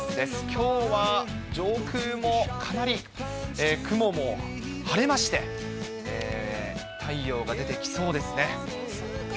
きょうは上空もかなり雲もはれまして、太陽が出てきそうですね。